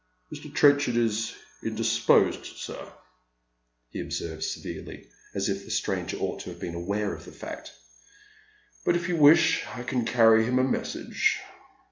" Mr. Trenchard is indisposed, sir," he observes, severely, as if the stranger ought to have been aware of the fact ;" but if you wish I can carry him a message."